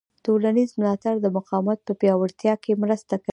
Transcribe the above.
ټولنیز ملاتړ د مقاومت په پیاوړتیا کې مرسته کوي.